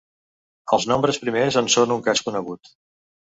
Els nombres primers en són un cas conegut.